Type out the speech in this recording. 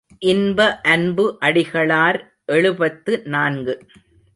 இன்ப அன்பு அடிகளார் எழுபத்து நான்கு.